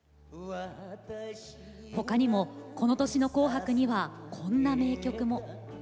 ほかにもこの年の「紅白」にはこんな名曲も。